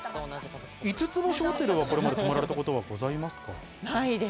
五つ星ホテルは、これまで泊まられたことはございますか？